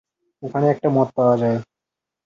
ওখানে একটা মদ পাওয়া যায়।